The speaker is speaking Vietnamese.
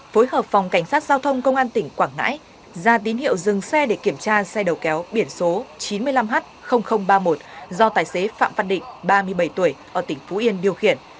phối hợp phòng cảnh sát giao thông công an tỉnh quảng ngãi ra tín hiệu dừng xe để kiểm tra xe đầu kéo biển số chín mươi năm h ba mươi một do tài xế phạm văn định ba mươi bảy tuổi ở tỉnh phú yên điều khiển